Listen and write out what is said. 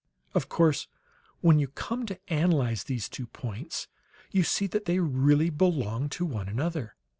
Of course, when you come to analyze these two points, you see that they really belong to one another.